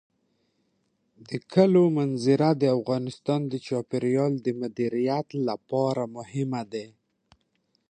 د کلیزو منظره د افغانستان د چاپیریال د مدیریت لپاره مهم دي.